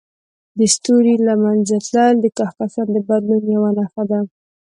د ستوري له منځه تلل د کهکشان د بدلون یوه نښه ده.